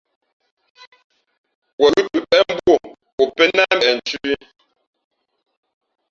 Wen ghʉ̌ pəpéʼ mbú o, o pēn í nά mbeʼ nthʉ̄ ī.